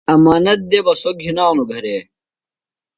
امانت دےۡ بہ سوۡ گِھنانوۡ گھرے۔